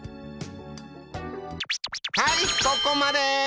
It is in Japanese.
はいここまで！